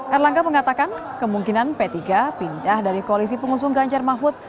erlangga mengatakan kemungkinan p tiga pindah dari koalisi pengusung ganjar mahfud